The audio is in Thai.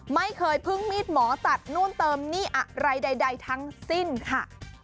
ไม่เคยพึ่งมีดหมอตัดนู่นเติมนี่อะไรใดทั้งสิ้นค่ะ